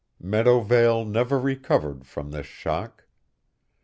Meadowvale never recovered from this shock.